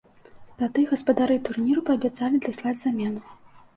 Тады гаспадары турніру паабяцалі даслаць замену.